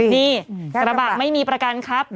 นี่กระบะไม่มีประกันครับ